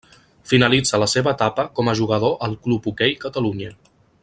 Finalitza la seva etapa com a jugador al Club Hoquei Catalunya.